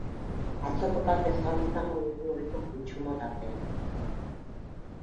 Atzoko partez gaur izango dugu ohiko kontsumo tartea.